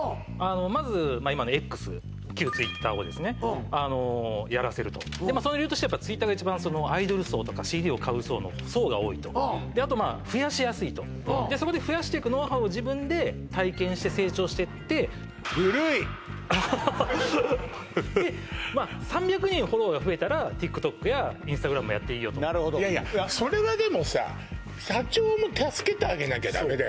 まず今のＸ旧Ｔｗｉｔｔｅｒをですねやらせるとその理由としてＴｗｉｔｔｅｒが一番アイドル層とかＣＤを買う層の層が多いとであと増やしやすいとそこで増やしていくノウハウを自分で体験して成長してってでまあ３００人フォロワーが増えたらＴｉｋＴｏｋやＩｎｓｔａｇｒａｍをやっていいよといやいやそれはでもさ